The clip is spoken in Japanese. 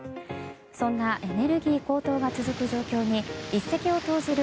そんなエネルギー高騰が続く状況に一石を投じる